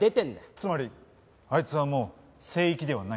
つまりあいつはもう聖域ではないと。